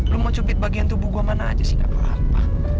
lu mau cupit bagian tubuh gua mana aja sih gapapa